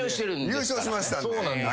優勝しましたんで。